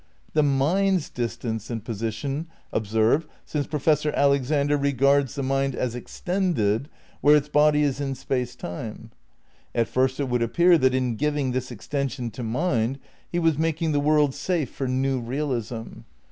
The mind's dis tance and position, observe, since Professor Alexander regards the mind as extended where its body is in space time. At first it would appear that in giving this extension to mind he was making the world safe for new realism.